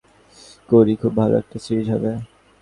সেভাবে কাজটা করতে পারলে আশা করি, খুব ভালো একটা সিরিজ হবে।